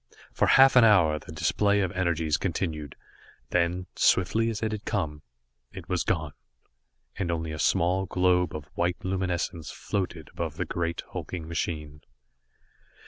For half an hour the display of energies continued. Then, swiftly as it had come, it was gone, and only a small globe of white luminescence floated above the great hulking machine.